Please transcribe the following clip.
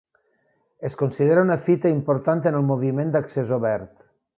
Es considera una fita important en el moviment d'accés obert.